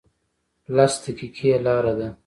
لس دقیقې لاره ده